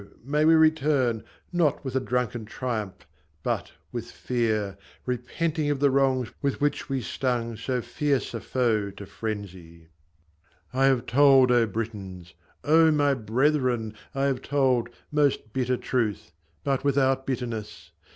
may we return Not with a drunken triumph, but with fear, Repenting of the wrongs with which we stung So fierce a foe to frenzy ! [Image][Image][Image][Image] I have told, O Britons ! O my brethren ! I have told Most bitter truth, but without bitterness.